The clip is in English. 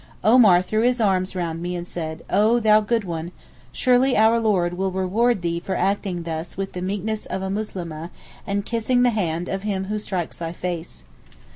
Omar threw his arms round me and said, 'Oh, thou good one, surely our Lord will reward thee for acting thus with the meekness of a Muslimeh, and kissing the hand of him who strikes thy face.